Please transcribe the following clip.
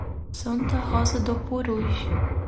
Santa Rosa do Purus